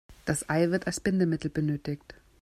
Das Ei wird als Bindemittel benötigt.